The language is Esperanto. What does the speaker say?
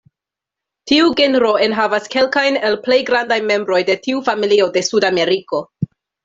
Tiu genro enhavas kelkajn el plej grandaj membroj de tiu familio de Sudameriko.